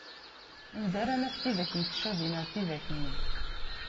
Anda ara naf tidak yettcabin ar tidak-nni?